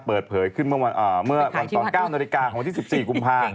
เปิดเผยขึ้นเมื่อตอน๙นาฬิกาของวันที่๑๔กุมภาคม